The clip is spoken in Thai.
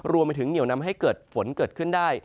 รวมไปถึงเหนียวนำให้เกิดฝนเกิดขึ้นได้